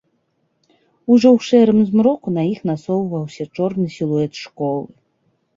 Ужо ў шэрым змроку на іх насоўваўся чорны сілуэт школы.